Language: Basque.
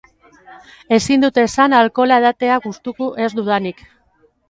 Ezin dut esan alkohola edatea gustuko ez dudanik.